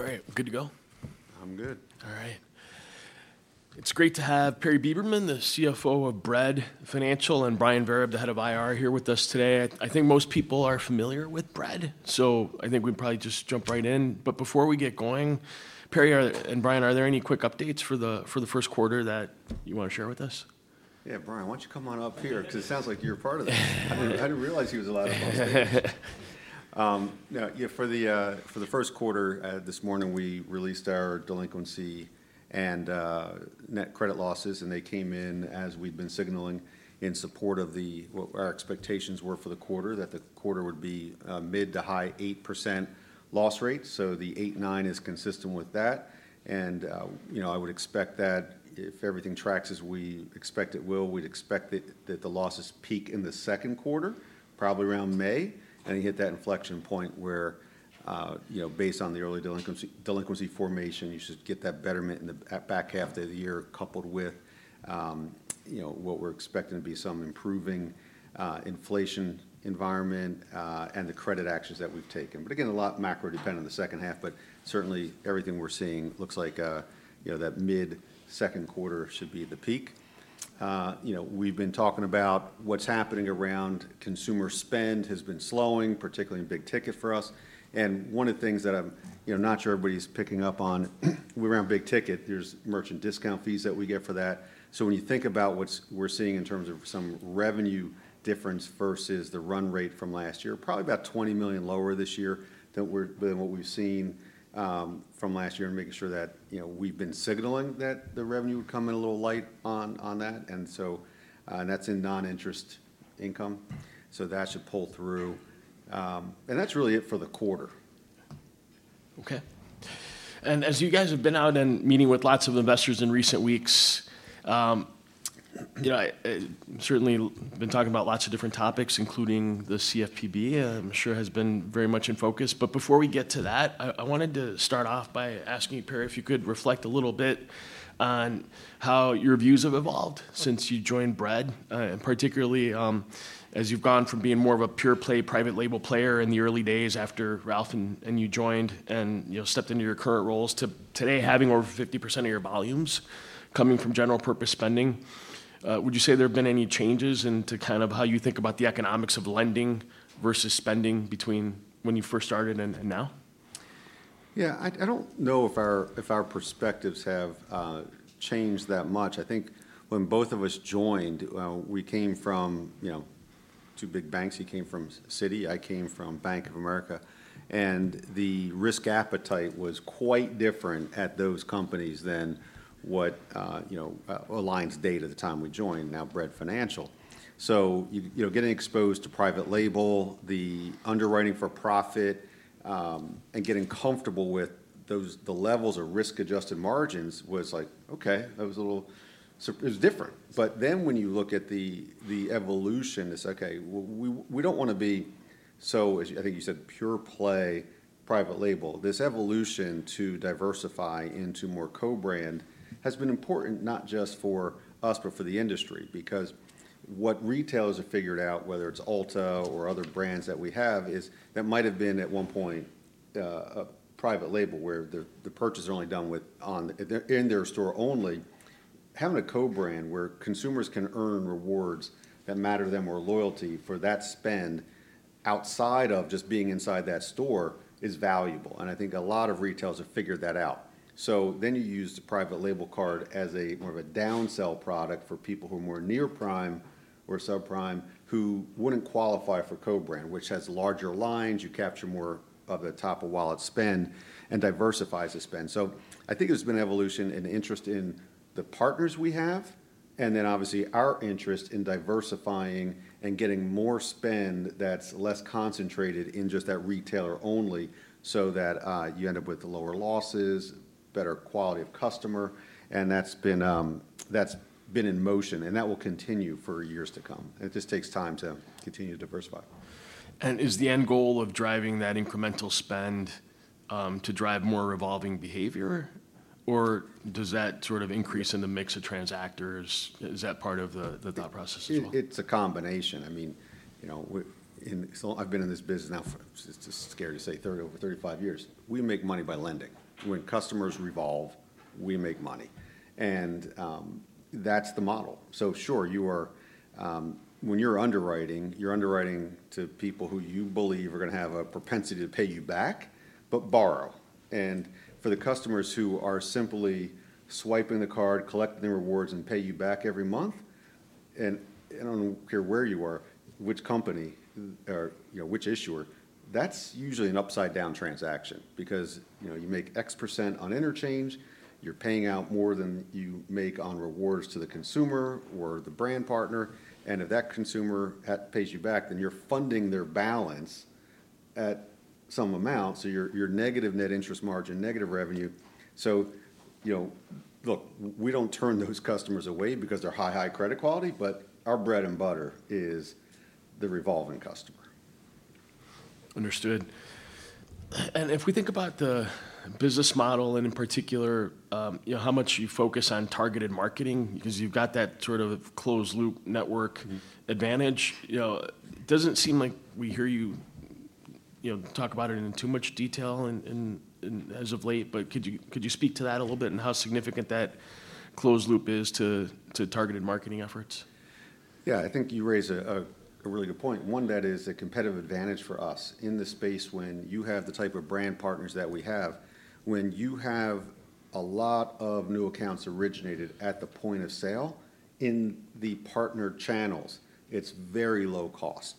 All right, good to go? I'm good. All right. It's great to have Perry Beberman, the CFO of Bread Financial, and Brian Vereb, the head of IR, here with us today. I think most people are familiar with Bread, so I think we'd probably just jump right in. But before we get going, Perry, and Brian, are there any quick updates for the first quarter that you wanna share with us? Yeah, Brian, why don't you come on up here? 'Cause it sounds like you're part of this. I didn't realize he was allowed up on stage. Yeah, for the first quarter, this morning, we released our delinquency and net credit losses, and they came in as we've been signaling in support of what our expectations were for the quarter, that the quarter would be mid- to high-8% loss rate. So the 8-9 is consistent with that. You know, I would expect that if everything tracks as we expect it will, we'd expect that, that the losses peak in the second quarter, probably around May, and you hit that inflection point where, you know, based on the early delinquency, delinquency formation, you should get that betterment in the back half of the year, coupled with, you know, what we're expecting to be some improving, inflation environment, and the credit actions that we've taken. But again, a lot macro-dependent on the second half, but certainly everything we're seeing looks like, you know, that mid-second quarter should be the peak. You know, we've been talking about what's happening around consumer spend has been slowing, particularly in big ticket for us. One of the things that I'm, you know, not sure everybody's picking up on, we're around big ticket, there's merchant discount fees that we get for that. So when you think about what we're seeing in terms of some revenue difference versus the run rate from last year, probably about $20 million lower this year than what we've seen from last year. Making sure that, you know, we've been signaling that the revenue would come in a little light on that, and so, and that's in non-interest income. So that should pull through. That's really it for the quarter. Okay. And as you guys have been out and meeting with lots of investors in recent weeks, you know, certainly been talking about lots of different topics, including the CFPB, I'm sure has been very much in focus. But before we get to that, I wanted to start off by asking you, Perry, if you could reflect a little bit on how your views have evolved since you joined Bread, and particularly, as you've gone from being more of a pure-play, private label player in the early days after Ralph and you joined and, you know, stepped into your current roles, to today, having over 50% of your volumes coming from general purpose spending. Would you say there have been any changes into kind of how you think about the economics of lending versus spending between when you first started and now? Yeah, I don't know if our perspectives have changed that much. I think when both of us joined, we came from, you know, two big banks. He came from Citi, I came from Bank of America, and the risk appetite was quite different at those companies than what, you know, Alliance Data at the time we joined, now Bread Financial. So you know, getting exposed to private label, the underwriting for profit, and getting comfortable with those the levels of risk-adjusted margins, was like, "Okay, that was a little..." So it was different. But then, when you look at the evolution, it's okay, we don't wanna be so, as I think you said, pure play, private label. This evolution to diversify into more co-brand has been important not just for us, but for the industry. Because what retailers have figured out, whether it's Ulta or other brands that we have, is that might have been, at one point, a private label, where the purchase is only done within their store only. Having a co-brand where consumers can earn rewards that matter to them, or loyalty for that spend outside of just being inside that store, is valuable, and I think a lot of retailers have figured that out. So then you use the private label card as more of a downsell product for people who are more near prime or subprime, who wouldn't qualify for co-brand, which has larger lines, you capture more of the top-of-wallet spend, and diversifies the spend. So I think there's been an evolution and interest in the partners we have, and then obviously, our interest in diversifying and getting more spend that's less concentrated in just that retailer only, so that you end up with lower losses, better quality of customer. And that's been in motion, and that will continue for years to come. It just takes time to continue to diversify. Is the end goal of driving that incremental spend to drive more revolving behavior, or does that sort of increase in the mix of transactors? Is that part of the thought process as well? It's a combination. I mean, you know, so I've been in this business now for, it's just scary to say, over 35 years. We make money by lending. When customers revolve, we make money, and that's the model. So sure, you are... When you're underwriting, you're underwriting to people who you believe are gonna have a propensity to pay you back, but borrow. And for the customers who are simply swiping the card, collecting the rewards, and pay you back every month, and I don't care where you are, which company or, you know, which issuer, that's usually an upside-down transaction. Because, you know, you make X% on interchange, you're paying out more than you make on rewards to the consumer or the brand partner, and if that consumer pays you back, then you're funding their balance at some amount, so your, your negative net interest margin, negative revenue. So, you know, look, we don't turn those customers away because they're high, high credit quality, but our bread and butter is the revolving customer. Understood. And if we think about the business model, and in particular, you know, how much you focus on targeted marketing, because you've got that sort of closed-loop network advantage, you know, it doesn't seem like we hear you know, talk about it in too much detail in as of late, but could you speak to that a little bit and how significant that closed loop is to targeted marketing efforts? Yeah, I think you raise a really good point. One that is a competitive advantage for us in this space when you have the type of brand partners that we have, when you have a lot of new accounts originated at the point of sale in the partner channels, it's very low cost.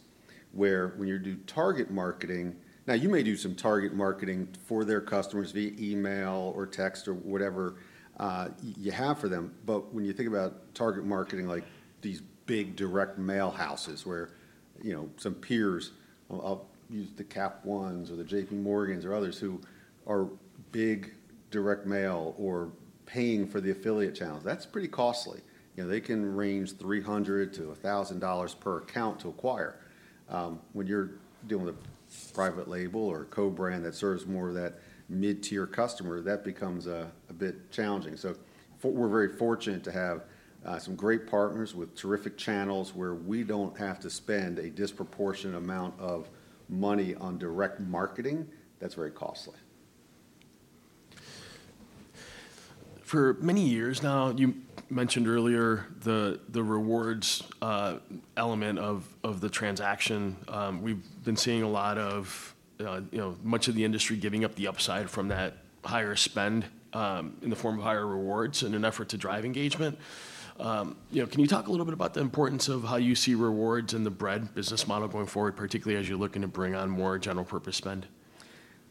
Where when you do target marketing. Now, you may do some target marketing for their customers via email or text or whatever, you have for them, but when you think about target marketing, like these big direct mail houses, where, you know, some peers, I'll use the Cap Ones or the JP Morgans or others who are big direct mail or paying for the affiliate channels, that's pretty costly. You know, they can range $300-$1,000 per account to acquire. When you're dealing with private label or co-brand that serves more of that mid-tier customer, that becomes a bit challenging. So, we're very fortunate to have some great partners with terrific channels, where we don't have to spend a disproportionate amount of money on direct marketing. That's very costly. For many years now, you mentioned earlier the rewards element of the transaction. We've been seeing a lot of, you know, much of the industry giving up the upside from that higher spend in the form of higher rewards in an effort to drive engagement. You know, can you talk a little bit about the importance of how you see rewards and the Bread business model going forward, particularly as you're looking to bring on more general purpose spend?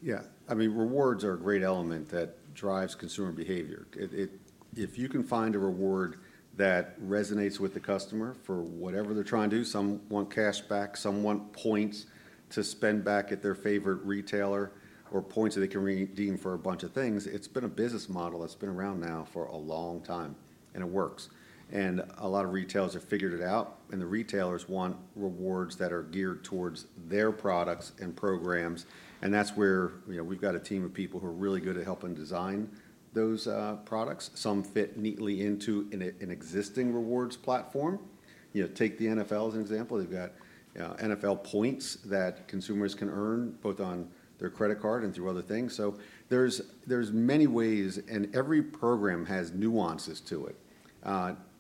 Yeah. I mean, rewards are a great element that drives consumer behavior. It—if you can find a reward that resonates with the customer for whatever they're trying to do, some want cash back, some want points to spend back at their favorite retailer, or points that they can redeem for a bunch of things, it's been a business model that's been around now for a long time, and it works. And a lot of retailers have figured it out, and the retailers want rewards that are geared towards their products and programs, and that's where, you know, we've got a team of people who are really good at helping design those products. Some fit neatly into an existing rewards platform. You know, take the NFL as an example. They've got NFL points that consumers can earn, both on their credit card and through other things. So there's many ways, and every program has nuances to it.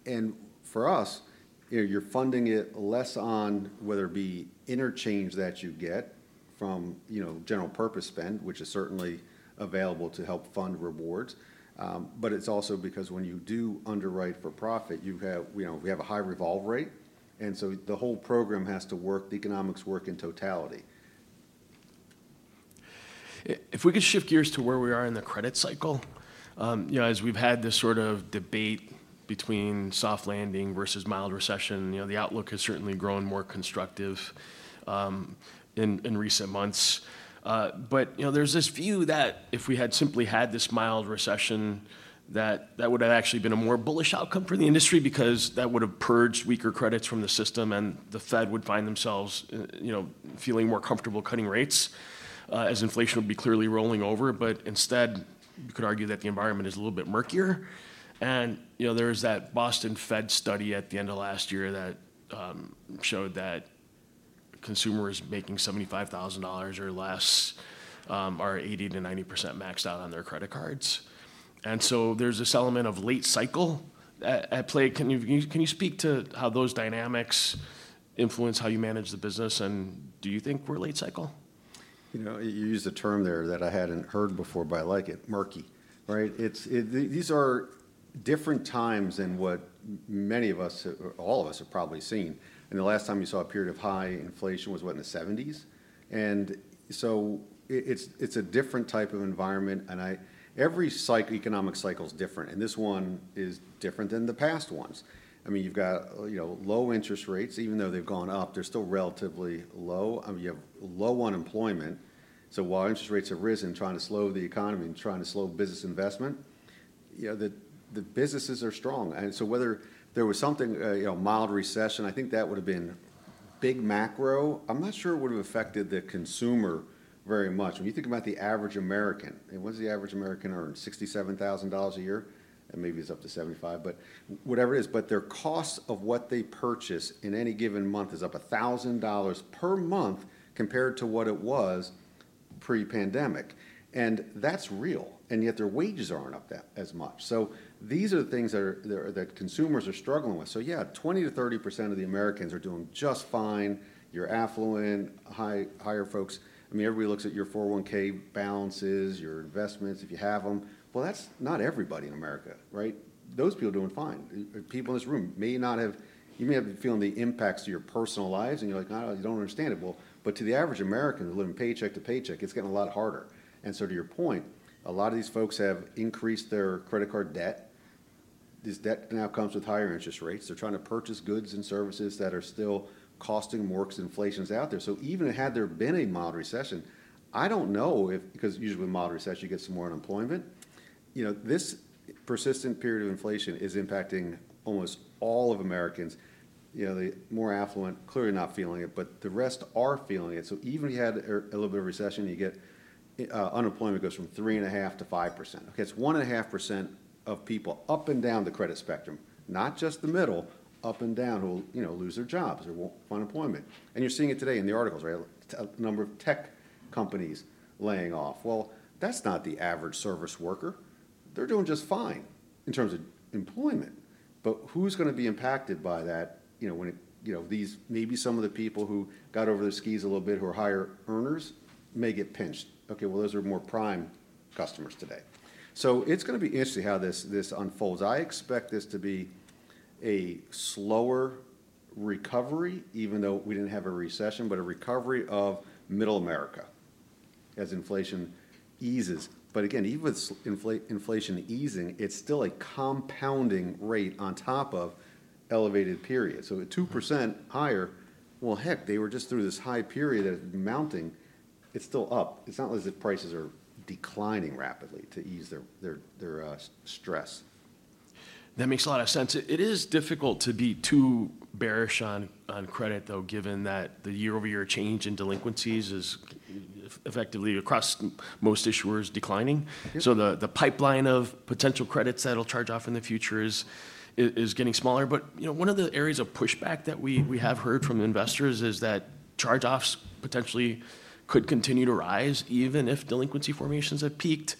And for us, you know, you're funding it less on whether it be interchange that you get from, you know, general purpose spend, which is certainly available to help fund rewards, but it's also because when you do underwrite for profit, you have, you know, we have a high revolve rate, and so the whole program has to work, the economics work in totality. If we could shift gears to where we are in the credit cycle. You know, as we've had this sort of debate between soft landing versus mild recession, you know, the outlook has certainly grown more constructive, in recent months. But, you know, there's this view that if we had simply had this mild recession, that that would have actually been a more bullish outcome for the industry because that would have purged weaker credits from the system, and the Fed would find themselves, you know, feeling more comfortable cutting rates, as inflation would be clearly rolling over. But instead, you could argue that the environment is a little bit murkier. You know, there was that Boston Fed study at the end of last year that showed that consumers making $75,000 or less are 80%-90% maxed out on their credit cards. So there's this element of late cycle at play. Can you speak to how those dynamics influence how you manage the business, and do you think we're late cycle? You know, you used a term there that I hadn't heard before, but I like it: murky, right? It's these are different times than what many of us, all of us have probably seen, and the last time you saw a period of high inflation was, what, in the 1970s? And so it's, it's a different type of environment, and I every cycle, economic cycle is different, and this one is different than the past ones. I mean, you've got, you know, low interest rates. Even though they've gone up, they're still relatively low. You have low unemployment, so while interest rates have risen, trying to slow the economy and trying to slow business investment, you know, the businesses are strong. And so whether there was something, you know, mild recession, I think that would've been big macro. I'm not sure it would've affected the consumer very much. When you think about the average American, and what does the average American earn? $67,000 a year, and maybe it's up to $75,000, but whatever it is, but their cost of what they purchase in any given month is up $1,000 per month compared to what it was pre-pandemic. And that's real, and yet their wages aren't up that, as much. So these are the things that consumers are struggling with. So yeah, 20%-30% of the Americans are doing just fine. You're affluent, high, higher folks. I mean, everybody looks at your 401(k) balances, your investments, if you have them. Well, that's not everybody in America, right? Those people are doing fine. People in this room may not have. You may have been feeling the impacts to your personal lives, and you're like, "No, you don't understand it." Well, but to the average American who are living paycheck to paycheck, it's getting a lot harder. And so to your point, a lot of these folks have increased their credit card debt. This debt now comes with higher interest rates. They're trying to purchase goods and services that are still costing more because inflation's out there. So even had there been a mild recession, I don't know if. Because usually with mild recession, you get some more unemployment. You know, this persistent period of inflation is impacting almost all of Americans. You know, the more affluent, clearly not feeling it, but the rest are feeling it. So even if you had a, a little bit of recession, you get... Unemployment goes from 3.5% to 5%. Okay, it's 1.5% of people up and down the credit spectrum, not just the middle, up and down, who will, you know, lose their jobs or won't find employment. And you're seeing it today in the articles, right? A number of tech companies laying off. Well, that's not the average service worker. They're doing just fine in terms of employment, but who's gonna be impacted by that, you know, when it-- you know, these maybe some of the people who got over their skis a little bit, who are higher earners, may get pinched. Okay, well, those are more prime customers today. So it's gonna be interesting how this, this unfolds. I expect this to be a slower recovery, even though we didn't have a recession, but a recovery of Middle America as inflation eases. But again, even with inflation easing, it's still a compounding rate on top of elevated periods. So at 2% higher, well, heck, they were just through this high period of mounting. It's still up. It's not as if prices are declining rapidly to ease their, their, their, stress. That makes a lot of sense. It is difficult to be too bearish on credit, though, given that the year-over-year change in delinquencies is effectively across most issuers declining. Yeah. So the pipeline of potential credits that'll charge off in the future is getting smaller. But, you know, one of the areas of pushback that we have heard from investors is that charge-offs potentially could continue to rise, even if delinquency formations have peaked.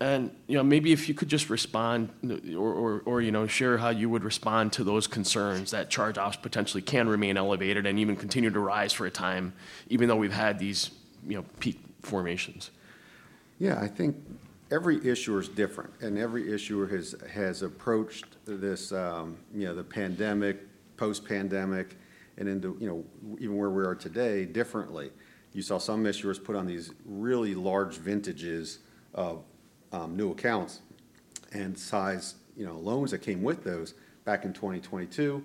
And, you know, maybe if you could just respond or, you know, share how you would respond to those concerns, that charge-offs potentially can remain elevated and even continue to rise for a time, even though we've had these, you know, peak formations. Yeah, I think every issuer is different, and every issuer has approached this, you know, the pandemic, post-pandemic, and into, you know, even where we are today, differently. You saw some issuers put on these really large vintages of, new accounts and size, you know, loans that came with those back in 2022.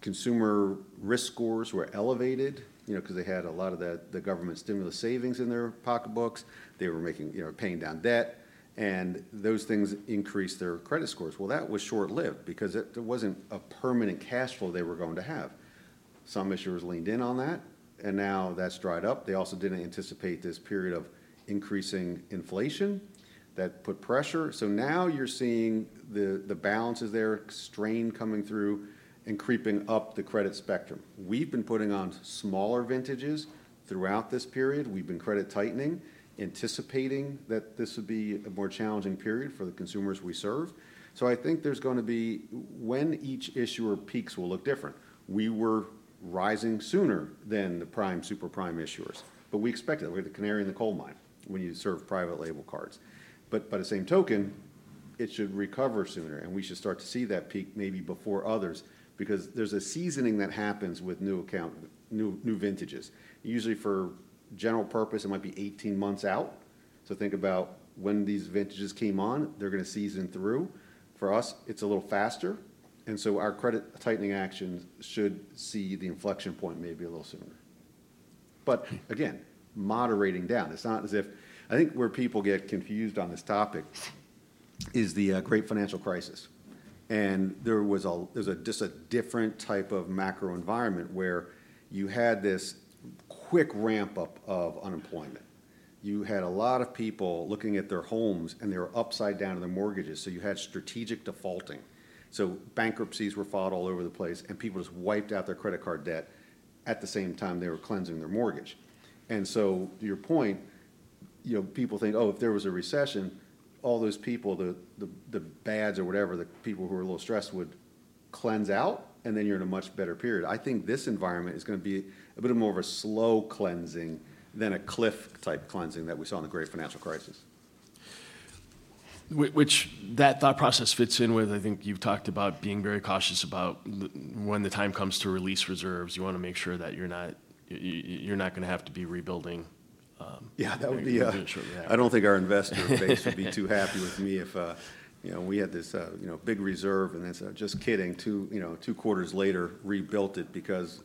Consumer risk scores were elevated, you know, 'cause they had a lot of the government stimulus savings in their pocketbooks. They were making... you know, paying down debt, and those things increased their credit scores. Well, that was short-lived because it wasn't a permanent cash flow they were going to have. Some issuers leaned in on that, and now that's dried up. They also didn't anticipate this period of increasing inflation that put pressure. So now you're seeing the balances there, strain coming through and creeping up the credit spectrum. We've been putting on smaller vintages throughout this period. We've been credit tightening, anticipating that this would be a more challenging period for the consumers we serve. So I think there's gonna be... when each issuer peaks will look different. We were rising sooner than the prime, super prime issuers, but we expected that. We're the canary in the coal mine when you serve private label cards. But by the same token, it should recover sooner, and we should start to see that peak maybe before others because there's a seasoning that happens with new account, new vintages. Usually, for general purpose, it might be 18 months out. So think about when these vintages came on, they're gonna season through. For us, it's a little faster, and so our credit-tightening actions should see the inflection point maybe a little sooner. But again, moderating down, it's not as if... I think where people get confused on this topic is the great financial crisis. And there was just a different type of macro environment where you had this quick ramp-up of unemployment. You had a lot of people looking at their homes, and they were upside down in their mortgages, so you had strategic defaulting. So bankruptcies were filed all over the place, and people just wiped out their credit card debt at the same time they were cleansing their mortgage. And so, to your point, you know, people think, "Oh, if there was a recession, all those people, the bads or whatever, the people who are a little stressed, would cleanse out, and then you're in a much better period." I think this environment is gonna be a bit of more of a slow cleansing than a cliff-type cleansing that we saw in the great financial crisis. Which that thought process fits in with, I think you've talked about being very cautious about when the time comes to release reserves, you wanna make sure that you're not, you're not gonna have to be rebuilding. Yeah, that would be, Yeah. I don't think our investor base would be too happy with me if, you know, we had this, you know, big reserve, and then said, "Just kidding," two, you know, two quarters later, rebuilt it because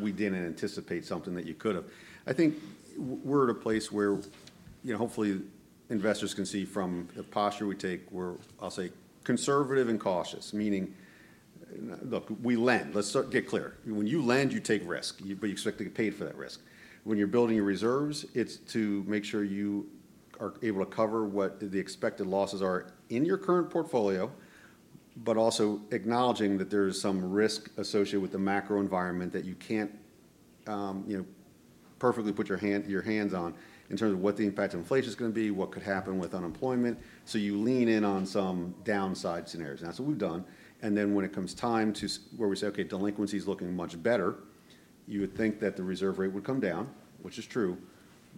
we didn't anticipate something that you could have. I think we're at a place where, you know, hopefully, investors can see from the posture we take, we're, I'll say, conservative and cautious, meaning, look, we lend. Let's start, get clear. When you lend, you take risk, you, but you expect to get paid for that risk. When you're building your reserves, it's to make sure you are able to cover what the expected losses are in your current portfolio, but also acknowledging that there's some risk associated with the macro environment that you can't, you know, perfectly put your hand, your hands on in terms of what the impact of inflation is gonna be, what could happen with unemployment. So you lean in on some downside scenarios, and that's what we've done. And then when it comes time to where we say, "Okay, delinquency is looking much better," you would think that the reserve rate would come down, which is true,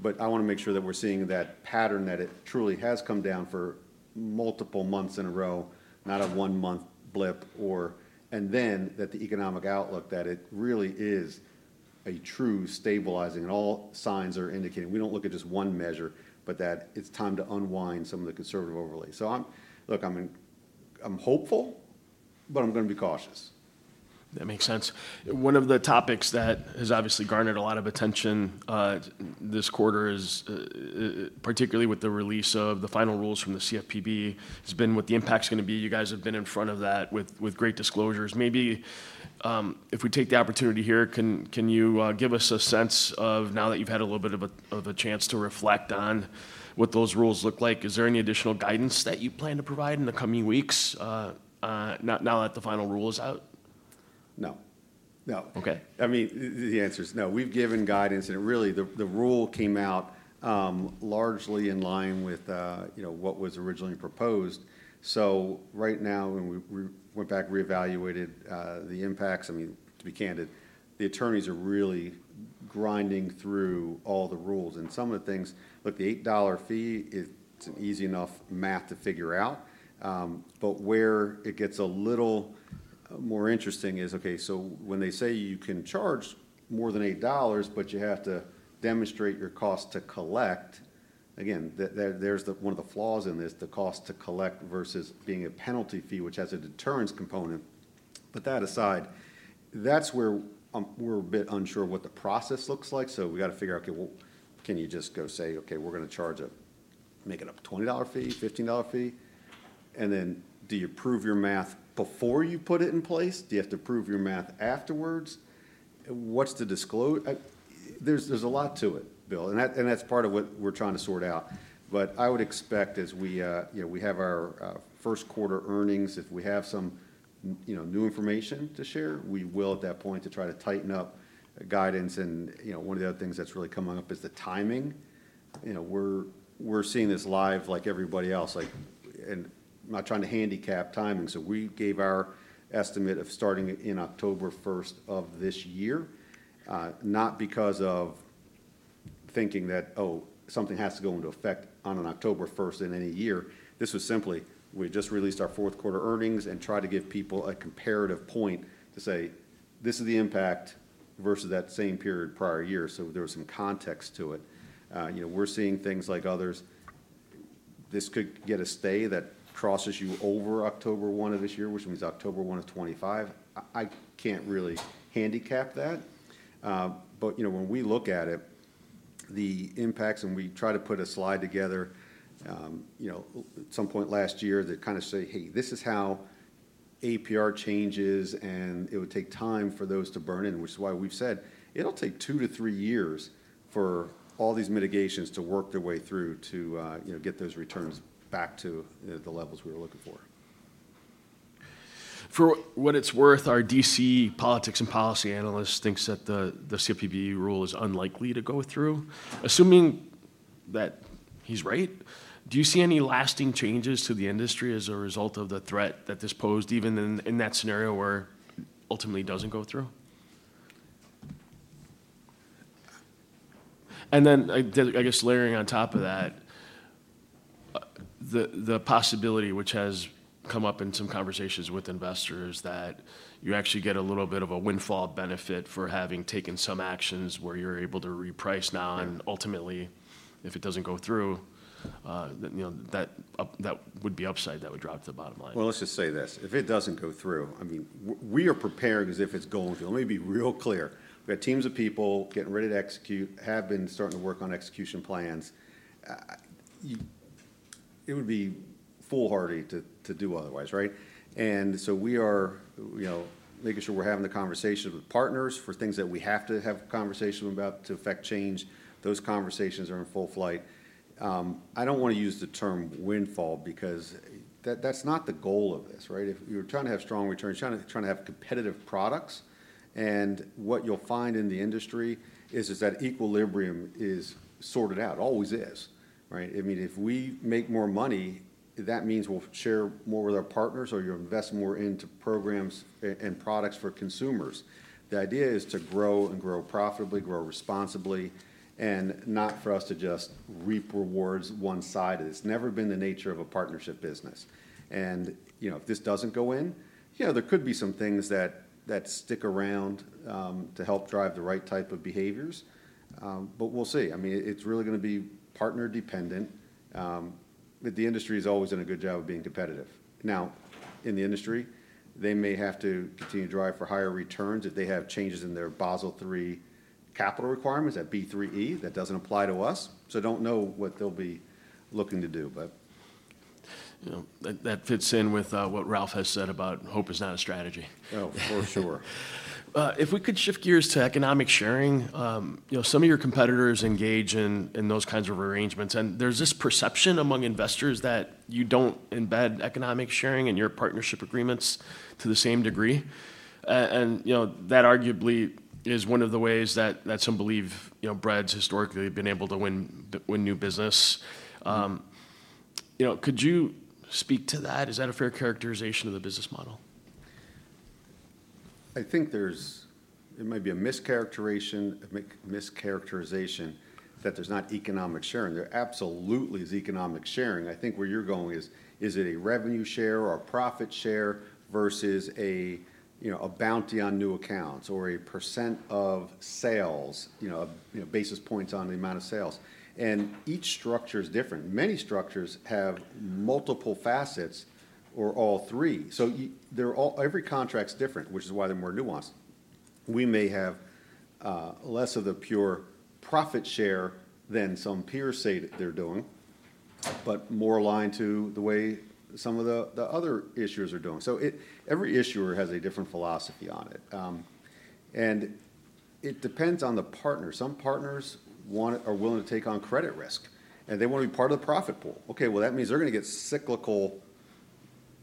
but I wanna make sure that we're seeing that pattern, that it truly has come down for multiple months in a row, not a one-month blip or... And then, that the economic outlook, that it really is a true stabilizing, and all signs are indicating. We don't look at just one measure, but that it's time to unwind some of the conservative overlays. So I'm... Look, I'm in. I'm hopeful, but I'm gonna be cautious. ... That makes sense. One of the topics that has obviously garnered a lot of attention this quarter is, particularly with the release of the final rules from the CFPB, has been what the impact's gonna be. You guys have been in front of that with great disclosures. Maybe, if we take the opportunity here, can you give us a sense of, now that you've had a little bit of a chance to reflect on what those rules look like, is there any additional guidance that you plan to provide in the coming weeks, now that the final rule is out? No. No. Okay. I mean, the answer is no. We've given guidance, and really, the rule came out largely in line with you know what was originally proposed. So right now, when we went back and re-evaluated the impacts, I mean, to be candid, the attorneys are really grinding through all the rules. And some of the things, look, the $8 fee is, it's an easy enough math to figure out. But where it gets a little more interesting is, okay, so when they say you can charge more than $8, but you have to demonstrate your cost to collect, again, there's the one of the flaws in this, the cost to collect versus being a penalty fee, which has a deterrence component. But that aside, that's where we're a bit unsure what the process looks like, so we've got to figure out, okay, well, can you just go say, "Okay, we're gonna charge a, make it up, $20 fee, $15 fee?" And then do you prove your math before you put it in place? Do you have to prove your math afterwards? What's to disclose? There's a lot to it, Bill, and that's part of what we're trying to sort out. But I would expect as we, you know, we have our first quarter earnings, if we have some, you know, new information to share, we will at that point to try to tighten up guidance. And, you know, one of the other things that's really coming up is the timing. You know, we're seeing this live like everybody else. Like... I'm not trying to handicap timing, so we gave our estimate of starting in October first of this year, not because of thinking that, oh, something has to go into effect on an October first in any year. This was simply, we just released our fourth quarter earnings and tried to give people a comparative point to say, "This is the impact versus that same period prior year." So there was some context to it. You know, we're seeing things like others. This could get a stay that crosses you over October 1 of this year, which means October 1 of 2025. I can't really handicap that. But, you know, when we look at it, the impacts, and we tried to put a slide together, you know, at some point last year that kind of say, "Hey, this is how APR changes, and it would take time for those to burn in," which is why we've said it'll take two to three years for all these mitigations to work their way through to, you know, get those returns back to, you know, the levels we were looking for. For what it's worth, our D.C. politics and policy analyst thinks that the CFPB rule is unlikely to go through. Assuming that he's right, do you see any lasting changes to the industry as a result of the threat that this posed, even in that scenario where ultimately it doesn't go through? And then, I guess, layering on top of that, the possibility, which has come up in some conversations with investors, that you actually get a little bit of a windfall benefit for having taken some actions where you're able to reprice now- Yeah... and ultimately, if it doesn't go through, then, you know, that up, that would be upside, that would drive to the bottom line. Well, let's just say this: If it doesn't go through, I mean, we are preparing as if it's going. Let me be real clear. We have teams of people getting ready to execute, have been starting to work on execution plans. It would be foolhardy to do otherwise, right? And so we are, you know, making sure we're having the conversations with partners for things that we have to have conversations about to effect change. Those conversations are in full flight. I don't want to use the term windfall because that, that's not the goal of this, right? If you're trying to have strong returns, you're trying to have competitive products, and what you'll find in the industry is that equilibrium is sorted out, always is, right? I mean, if we make more money, that means we'll share more with our partners, or you'll invest more into programs and products for consumers. The idea is to grow and grow profitably, grow responsibly, and not for us to just reap rewards one-sided. It's never been the nature of a partnership business. And, you know, if this doesn't go in, yeah, there could be some things that, that stick around, to help drive the right type of behaviors. But we'll see. I mean, it's really gonna be partner dependent. But the industry has always done a good job of being competitive. Now, in the industry, they may have to continue to drive for higher returns if they have changes in their Basel III capital requirements, that Basel III, that doesn't apply to us. So don't know what they'll be looking to do, but- You know, that, that fits in with, what Ralph has said about hope is not a strategy. Oh, for sure. If we could shift gears to economic sharing, you know, some of your competitors engage in those kinds of arrangements, and there's this perception among investors that you don't embed economic sharing in your partnership agreements to the same degree. And, you know, that arguably is one of the ways that some believe, you know, Bread's historically been able to win new business. You know, could you speak to that? Is that a fair characterization of the business model? I think there's... it might be a mischaracterization that there's not economic sharing. There absolutely is economic sharing. I think where you're going is it a revenue share or a profit share versus a, you know, a bounty on new accounts or a percent of sales, you know, you know, basis points on the amount of sales. And each structure is different. Many structures have multiple facets or all three. So every contract's different, which is why they're more nuanced. We may have less of the pure profit share than some peers say that they're doing, but more aligned to the way some of the other issuers are doing. So every issuer has a different philosophy on it. And it depends on the partner. Some partners want, are willing to take on credit risk, and they wanna be part of the profit pool. Okay, well, that means they're gonna get cyclical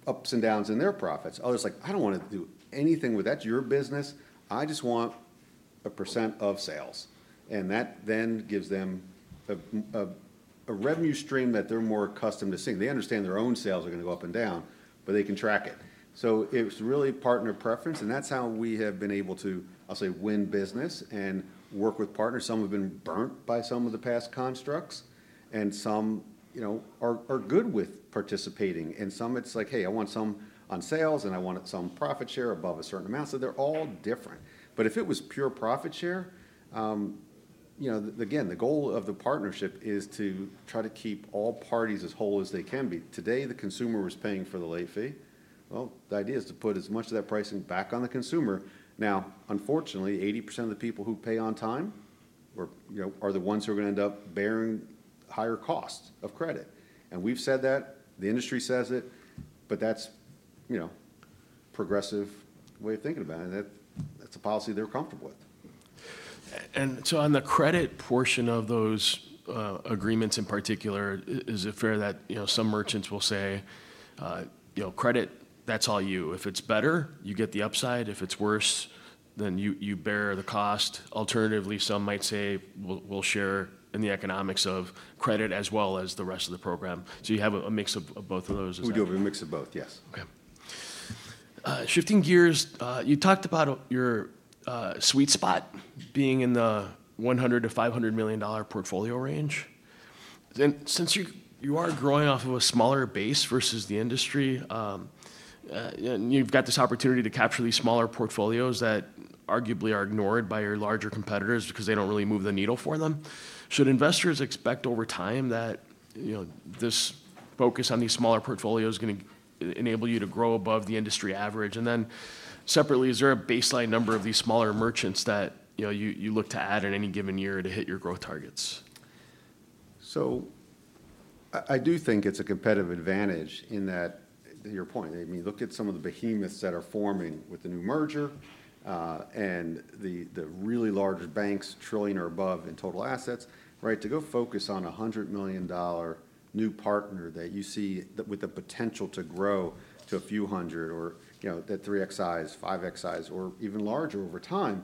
ups and downs in their profits. Others are like: "I don't wanna do anything with that, it's your business. I just want a percent of sales." And that then gives them a revenue stream that they're more accustomed to seeing. They understand their own sales are gonna go up and down, but they can track it. So it's really partner preference, and that's how we have been able to, I'll say, win business and work with partners. Some have been burned by some of the past constructs, and some, you know, are good with participating. And some it's like: "Hey, I want some on sales, and I want it some profit share above a certain amount." So they're all different. But if it was pure profit share, you know, again, the goal of the partnership is to try to keep all parties as whole as they can be. Today, the consumer was paying for the late fee. Well, the idea is to put as much of that pricing back on the consumer. Now, unfortunately, 80% of the people who pay on time or, you know, are the ones who are gonna end up bearing higher costs of credit. And we've said that, the industry says it, but that's, you know, progressive way of thinking about it, and that, that's a policy they're comfortable with. And so on the credit portion of those agreements in particular, is it fair that, you know, some merchants will say, you know, "Credit, that's all you. If it's better, you get the upside. If it's worse, then you, you bear the cost." Alternatively, some might say, "We'll, we'll share in the economics of credit as well as the rest of the program." So you have a mix of both of those as well? We do have a mix of both, yes. Okay. Shifting gears, you talked about your sweet spot being in the $100 million-$500 million portfolio range. Then, since you are growing off of a smaller base versus the industry, and you've got this opportunity to capture these smaller portfolios that arguably are ignored by your larger competitors because they don't really move the needle for them, should investors expect over time that, you know, this focus on these smaller portfolios is gonna enable you to grow above the industry average? And then separately, is there a baseline number of these smaller merchants that, you know, you look to add in any given year to hit your growth targets? So I do think it's a competitive advantage in that, to your point, I mean, look at some of the behemoths that are forming with the new merger, and the really large banks, trillion or above in total assets, right? To go focus on a $100 million new partner that you see, that with the potential to grow to a few hundred or, you know, that 3x size, 5x size, or even larger over time,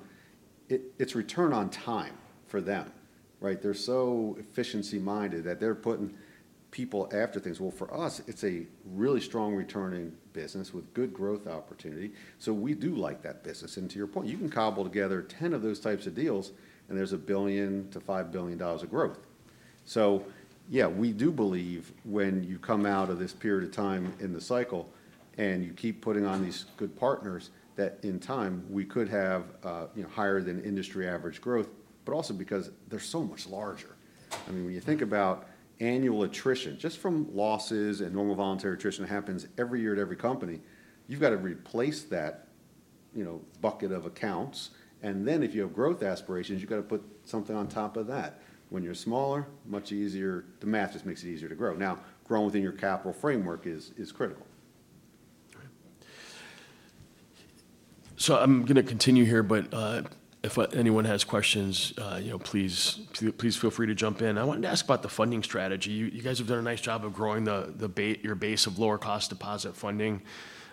it's return on time for them, right? They're so efficiency-minded that they're putting people after things. Well, for us, it's a really strong returning business with good growth opportunity, so we do like that business. And to your point, you can cobble together 10 of those types of deals, and there's $1 billion-$5 billion of growth. So yeah, we do believe when you come out of this period of time in the cycle and you keep putting on these good partners, that in time, we could have, you know, higher than industry average growth, but also because they're so much larger. I mean, when you think about annual attrition, just from losses and normal voluntary attrition happens every year at every company, you've got to replace that, you know, bucket of accounts. And then if you have growth aspirations, you've got to put something on top of that. When you're smaller, much easier, the math just makes it easier to grow. Now, growing within your capital framework is critical. All right. So I'm gonna continue here, but, if anyone has questions, you know, please, please feel free to jump in. I wanted to ask about the funding strategy. You, you guys have done a nice job of growing your base of lower-cost deposit funding.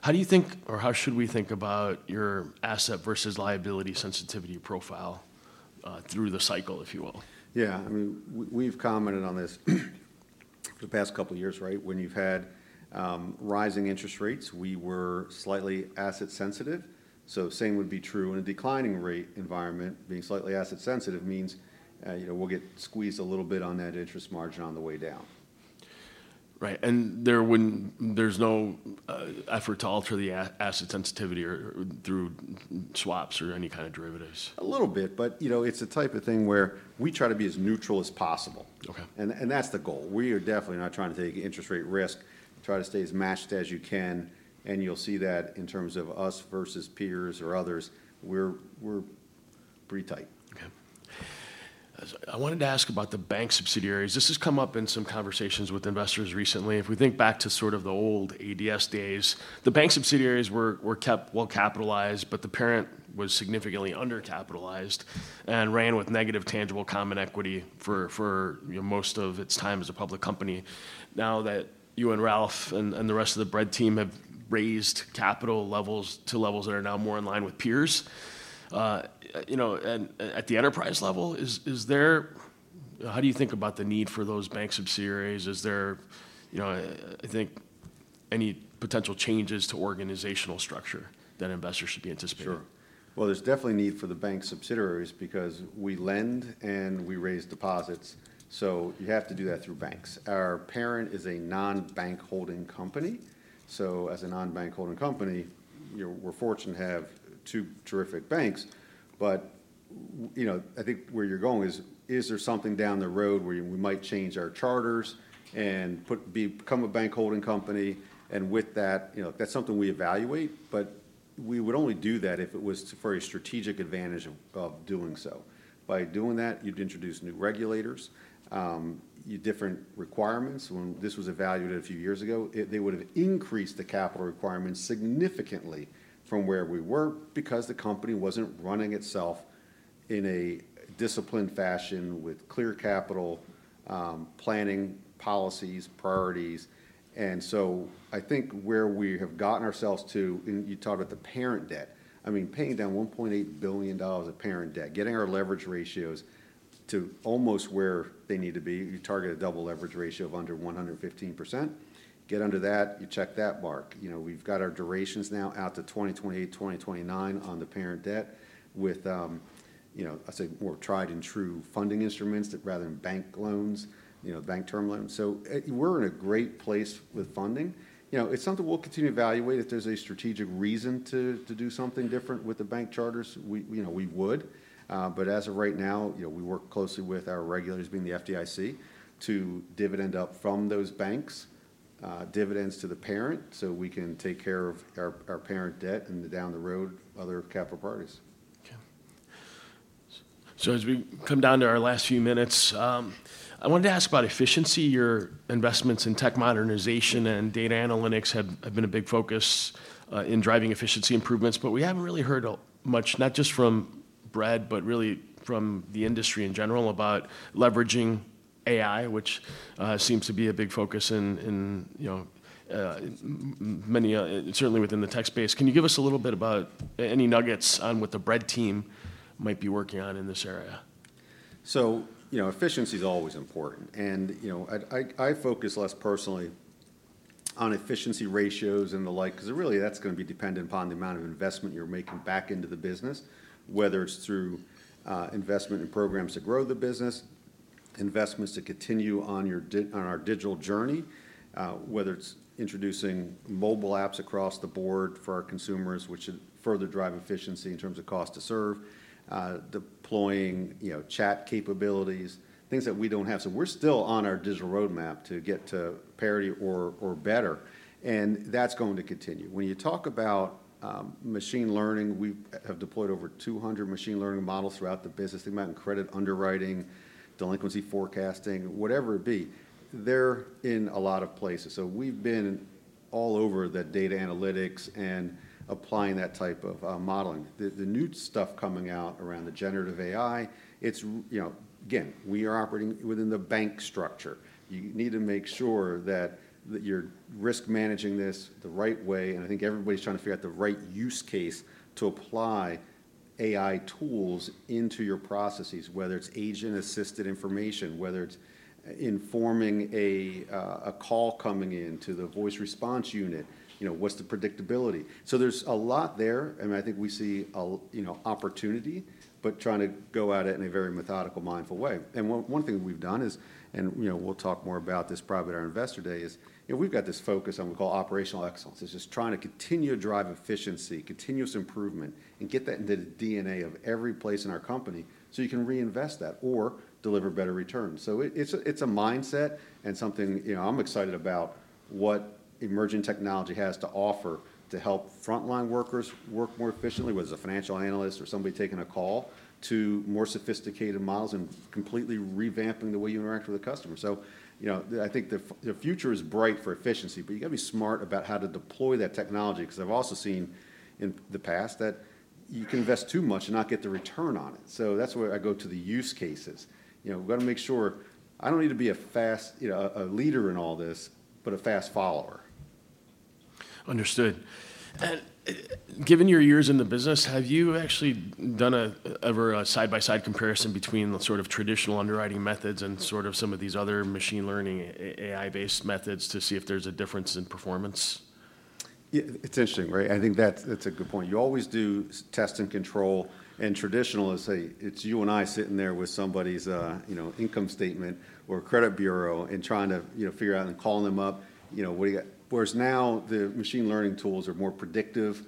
How do you think or how should we think about your asset versus liability sensitivity profile, through the cycle, if you will? Yeah. I mean, we, we've commented on this for the past couple of years, right? When you've had rising interest rates, we were slightly asset sensitive, so same would be true in a declining rate environment. Being slightly asset sensitive means, you know, we'll get squeezed a little bit on that interest margin on the way down. Right. And there's no effort to alter the asset sensitivity through swaps or any kind of derivatives? A little bit, but you know, it's the type of thing where we try to be as neutral as possible. Okay. And that's the goal. We are definitely not trying to take interest rate risk, try to stay as matched as you can, and you'll see that in terms of us versus peers or others, we're pretty tight. Okay. I wanted to ask about the bank subsidiaries. This has come up in some conversations with investors recently. If we think back to sort of the old ADS days, the bank subsidiaries were kept well-capitalized, but the parent was significantly undercapitalized and ran with negative tangible common equity for, you know, most of its time as a public company. Now that you and Ralph and the rest of the Bread team have raised capital levels to levels that are now more in line with peers, you know, and at the enterprise level, is there? How do you think about the need for those bank subsidiaries? Is there, you know, I think, any potential changes to organizational structure that investors should be anticipating? Sure. Well, there's definitely need for the bank subsidiaries because we lend and we raise deposits, so you have to do that through banks. Our parent is a non-bank holding company, so as a non-bank holding company, you know, we're fortunate to have two terrific banks, but you know, I think where you're going is there something down the road where we might change our charters and become a bank holding company? And with that, you know, that's something we evaluate, but we would only do that if it was for a strategic advantage of doing so. By doing that, you'd introduce new regulators, different requirements. When this was evaluated a few years ago, they would've increased the capital requirements significantly from where we were because the company wasn't running itself in a disciplined fashion with clear capital planning, policies, priorities. And so I think where we have gotten ourselves to, and you talk about the parent debt, I mean, paying down $1.8 billion of parent debt, getting our leverage ratios to almost where they need to be. You target a double leverage ratio of under 115%. Get under that, you check that mark. You know, we've got our durations now out to 2028, 2029 on the parent debt with, you know, I'd say more tried-and-true funding instruments that rather than bank loans, you know, bank term loans. So, we're in a great place with funding. You know, it's something we'll continue to evaluate. If there's a strategic reason to, to do something different with the bank charters, we, you know, we would. But as of right now, you know, we work closely with our regulators, being the FDIC, to dividend up from those banks, dividends to the parent, so we can take care of our parent debt and then down the road, other capital parties. Okay. So as we come down to our last few minutes, I wanted to ask about efficiency. Your investments in tech modernization and data analytics have been a big focus in driving efficiency improvements, but we haven't really heard much, not just from Bread, but really from the industry in general, about leveraging AI, which seems to be a big focus in, you know, many certainly within the tech space. Can you give us a little bit about any nuggets on what the Bread team might be working on in this area? So, you know, efficiency is always important. You know, I focus less personally on efficiency ratios and the like, 'cause really, that's gonna be dependent upon the amount of investment you're making back into the business, whether it's through investment in programs to grow the business, investments to continue on our digital journey, whether it's introducing mobile apps across the board for our consumers, which should further drive efficiency in terms of cost to serve, deploying, you know, chat capabilities, things that we don't have. So we're still on our digital roadmap to get to parity or better, and that's going to continue. When you talk about machine learning, we have deployed over 200 machine learning models throughout the business. Think about in credit underwriting, delinquency forecasting, whatever it be. They're in a lot of places. So we've been all over the data analytics and applying that type of modeling. The new stuff coming out around the generative AI, it's, you know... Again, we are operating within the bank structure. You need to make sure that you're risk managing this the right way, and I think everybody's trying to figure out the right use case to apply AI tools into your processes, whether it's agent-assisted information, whether it's informing a call coming in to the voice response unit. You know, what's the predictability? So there's a lot there, and I think we see a, you know, opportunity, but trying to go at it in a very methodical, mindful way. And one thing we've done is, and, you know, we'll talk more about this probably at our Investor Day, is, you know, we've got this focus on we call operational excellence. It's just trying to continue to drive efficiency, continuous improvement, and get that into the DNA of every place in our company, so you can reinvest that or deliver better returns. So it's a mindset and something, you know, I'm excited about what emerging technology has to offer to help frontline workers work more efficiently, whether it's a financial analyst or somebody taking a call, to more sophisticated models and completely revamping the way you interact with a customer. So, you know, I think the future is bright for efficiency, but you've got to be smart about how to deploy that technology, 'cause I've also seen in the past that you can invest too much and not get the return on it. So that's where I go to the use cases. You know, we've got to make sure, I don't need to be a fast, you know, leader in all this, but a fast follower. Understood. Given your years in the business, have you actually ever done a side-by-side comparison between the sort of traditional underwriting methods and sort of some of these other machine learning, AI-based methods to see if there's a difference in performance? Yeah, it's interesting, right? I think that's, that's a good point. You always do test and control, and traditional is a, it's you and I sitting there with somebody's, you know, income statement or credit bureau and trying to, you know, figure out and calling them up. You know, "What do you got?" Whereas now, the machine learning tools are more predictive.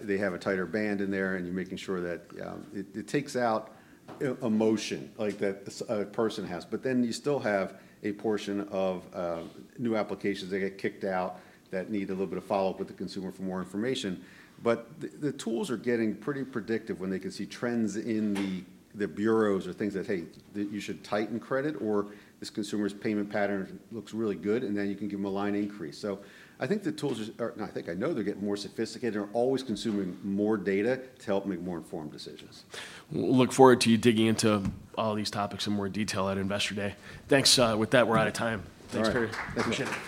They have a tighter band in there, and you're making sure that... It, it takes out emotion like that a, a person has. But then you still have a portion of new applications that get kicked out that need a little bit of follow-up with the consumer for more information. But the tools are getting pretty predictive when they can see trends in the bureaus or things that, hey, that you should tighten credit, or this consumer's payment pattern looks really good, and then you can give them a line increase. So I think the tools are... I think I know they're getting more sophisticated and are always consuming more data to help make more informed decisions. Well, look forward to you digging into all these topics in more detail at Investor Day. Thanks. With that, we're out of time. All right. Thanks, Perry. Appreciate it.